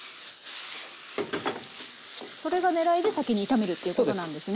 それがねらいで先に炒めるっていうことなんですね。